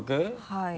はい。